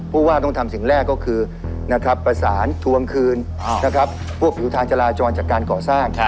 ผู้ว่าต้องทำสิ่งแรกก็คือประสานทวงคืนพวกผิวทางจราจรจากการก่อสร้าง